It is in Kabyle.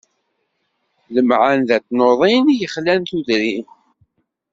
D lemɛanda n tnuḍin i yexlan tudrin.